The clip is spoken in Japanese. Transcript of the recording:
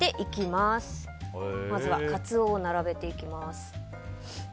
まずはカツオを並べていきます。